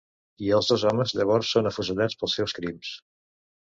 I els dos homes llavors són afusellats pels seus crims.